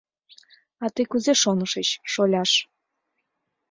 — А тый кузе шонышыч, шоляш?